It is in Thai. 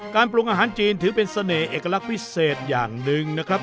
ปรุงอาหารจีนถือเป็นเสน่หเอกลักษณ์พิเศษอย่างหนึ่งนะครับ